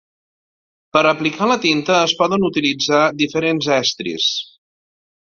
Per a aplicar la tinta es poden utilitzar diferents estris.